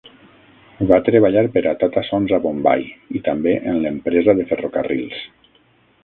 Va treballar per a Tata Sons a Bombai i també en l'empresa de ferrocarrils.